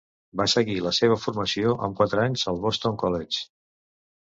Va seguir la seva formació amb quatre anys al Boston College.